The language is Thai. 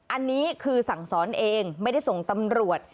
อันนี้คือสั่งสอนเองไม่ได้ส่งตำรวจ